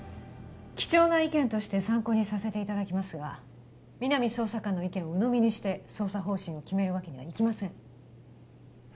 貴重な意見として参考にさせていただきますが皆実捜査官の意見をうのみにして捜査方針を決めるわけにはいきません